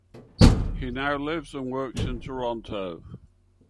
He now lives and works in Toronto.